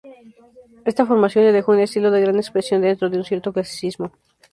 Esta formación le dejó un estilo de gran expresión dentro de un cierto clasicismo.